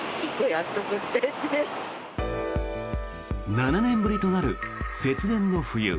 ７年ぶりとなる節電の冬。